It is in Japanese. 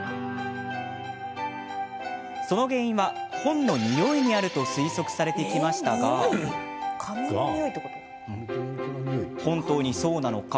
その原因は、本のニオイにあると推測されてきましたが本当にそうなのか。